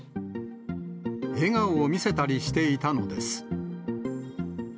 笑顔を見せたりしていたのです。